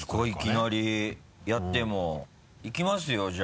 いきなりやっても。いきますよ？